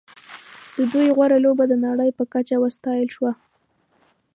د دوی غوره لوبه د نړۍ په کچه وستایل شوه.